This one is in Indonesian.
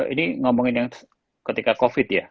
ini ngomongin yang ketika covid ya